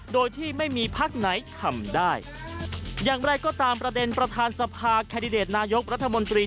โดยที่ไม่มีภักดิ์ไหนทำได้